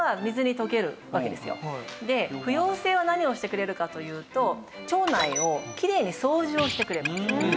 で不溶性は何をしてくれるかというと腸内をきれいに掃除をしてくれます。